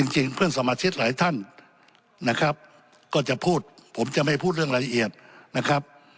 เพื่อนสมาชิกหลายท่านนะครับก็จะพูดผมจะไม่พูดเรื่องรายละเอียดนะครับ